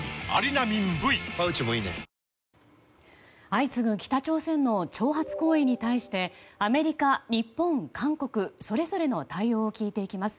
相次ぐ北朝鮮の挑発行為に対してアメリカ、日本、韓国それぞれの対応を聞いていきます。